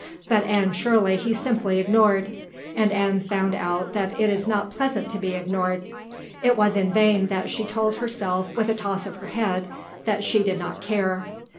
But Anne Shirley he simply ignored, and Anne found out that it is not pleasant to be ignored. It was in vain that she told herself with a toss of her head that she did not care.